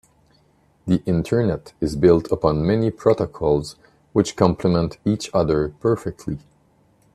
The internet is built upon many protocols which compliment each other perfectly.